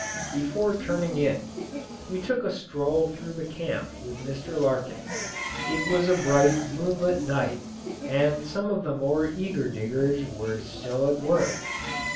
Before turning in, we took a stroll through the camp with Mr. Larkin. It was a bright moonlight night, and some of the more eager diggers were still at work.